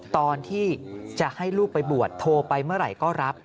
ตอนที่จะให้ลูกไปบวชโทรไปเมื่อไหร่ก็รับ